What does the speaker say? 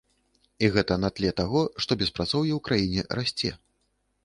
І гэта на тле таго, што беспрацоўе ў краіне расце.